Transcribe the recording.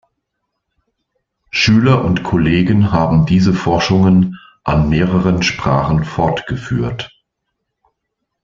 Schüler und Kollegen haben diese Forschungen an mehreren Sprachen fortgeführt.